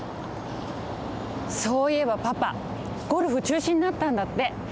そういえばパパゴルフちゅうしになったんだって。